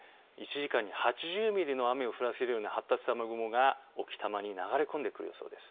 １時間に８０ミリの雨を降らせるような発達した雨雲が置賜に流れ込んでくるそうです。